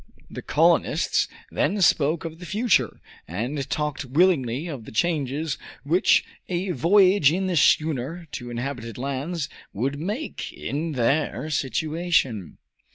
The colonists then spoke of the future, and talked willingly of the changes which a voyage in the schooner to inhabited lands would make in their situation.